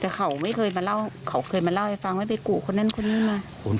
แต่เขาไม่เคยมาเล่าเขาเคยมาเล่าให้ฟังว่าไปกูคนนั้นคนนี้มา